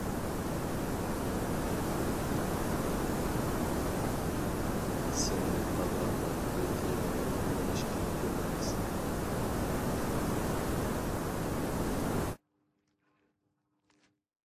سىننى پات ئارىدا بۇ تېمىغا ئۇلىنىش قىلىپ يوللايمىز.